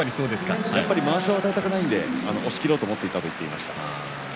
まわしが高くないので押しきろうと思ったと言っていました。